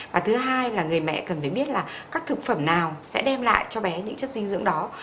và thứ hai là người mẹ cần phải biết là các thực phẩm nào sẽ đem lại cho bé những chất dinh dưỡng đó